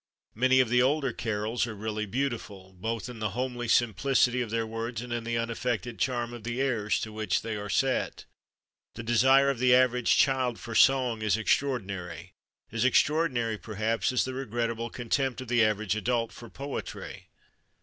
Many of the older carols are really beautiful, both in the homely simplicity of their words and in the un affected charm of the airs to which they are set. The desire of the average child for song is extraordinary as extraordinary, perhaps, as the regrettable contempt of the average adult for poetry.